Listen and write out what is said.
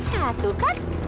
ya tuh kan